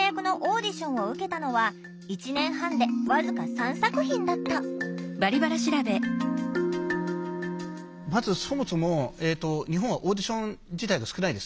実際塾生たちがまずそもそも日本はオーディション自体が少ないです。